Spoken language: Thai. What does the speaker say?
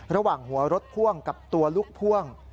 ระหว่างหัวรถพ่วงกับตัวลูกพ่วง